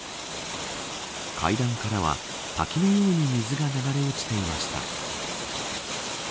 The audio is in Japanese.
階段からは滝のように水が流れ落ちていました。